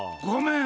ごめん。